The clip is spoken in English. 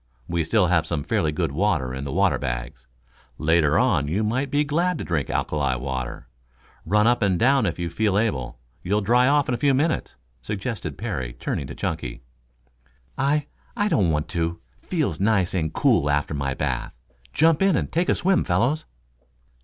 We still have some fairly good water in the water bags. Later on you may be glad to drink alkali water. Run up and down if you feel able. You'll dry off in a few minutes," suggested Parry, turning to Chunky. "I I don't want to. Feels nice and cool after my bath. Jump in and take a swim, fellows."